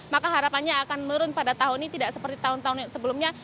maka harapannya akan menurun pada tahun ini tidak seperti tahun tahun yang sebelumnya